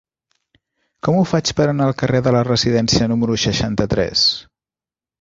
Com ho faig per anar al carrer de la Residència número seixanta-tres?